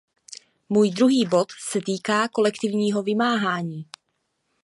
Můj druhý bod se týká kolektivního vymáhání.